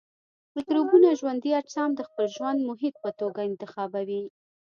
مکروبونه ژوندي اجسام د خپل ژوند محیط په توګه انتخابوي.